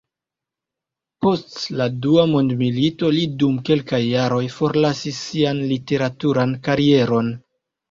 Post la Dua mondmilito li dum kelkaj jaroj forlasis sian literaturan karieron.